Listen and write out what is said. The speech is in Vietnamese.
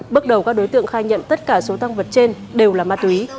bước đầu các đối tượng khai nhận tất cả số tăng vật trên đều là ma túy